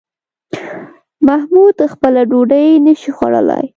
محمود خپله ډوډۍ نشي خوړلی